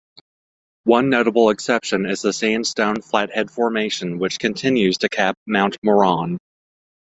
One notable exception is the sandstone Flathead Formation which continues to cap Mount Moran.